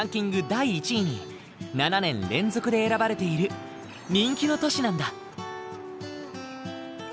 第１位に７年連続で選ばれている人気の都市なんだ。